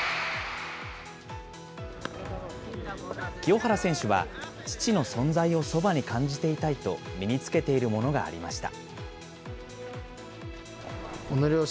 清原選手は父の存在をそばに感じていたいと、身につけているものがありました。